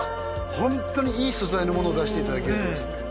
ホントにいい素材のものを出していただけるんですね